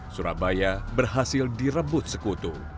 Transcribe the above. surabaya berhasil direbut sekutu